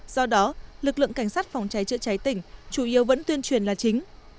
do đó lực lượng cảnh sát phòng cháy chữa cháy tỉnh chủ yếu vẫn tuyên truyền là chính